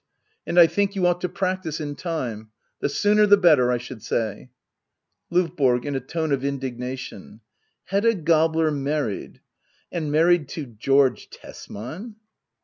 And I think you ought to practise in time. The sooner the better, I should say. LOVBORO. [In a tone of indignation,] Hedda Gabler mar ried ? And married to — George Tesman